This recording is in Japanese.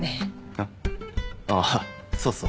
あっああそうそう